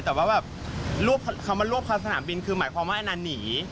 แต่ว่าแบบรวบคำว่ารวบคาสนามบินคือหมายความว่าไอ้อันนั้นหนี